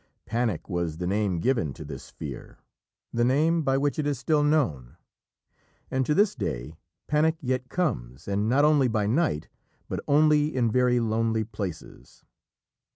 Panic was the name given to this fear the name by which it still is known. And, to this day, panic yet comes, and not only by night, but only in very lonely places.